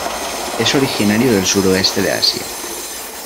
Es originario del suroeste de Asia.